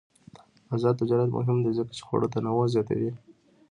آزاد تجارت مهم دی ځکه چې خواړه تنوع زیاتوي.